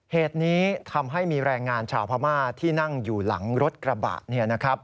เหตุนี้ทำให้มีแรงงานชาวพม่าที่นั่งอยู่หลังรถกระบะ